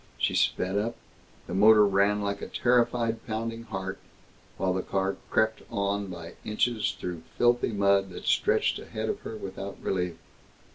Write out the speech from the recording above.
She sped up. The motor ran like a terrified pounding heart, while the car crept on by inches through filthy mud that stretched ahead of her without relief.